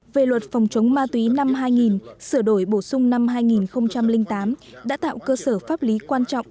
về luật phòng chống ma túy năm hai nghìn sửa đổi bổ sung năm hai nghìn tám đã tạo cơ sở pháp lý quan trọng